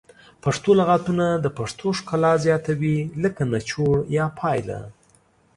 پښتو لغتونه د پښتو ښکلا زیاتوي لکه نچوړ یا پایله